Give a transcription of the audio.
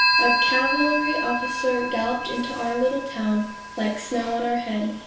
a cavalry officer galloped into our little town like snow on our head.